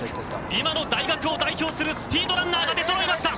今の大学を代表するスピードランナーが出そろいました。